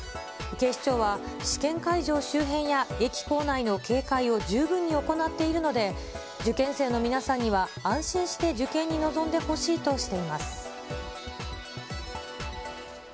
警視庁は、試験会場周辺や、駅構内の警戒を十分に行っているので、受験生の皆さんには安心して受験に臨んでほしいとしています。